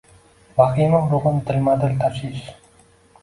Vahima urug’in dilma-dil tashish.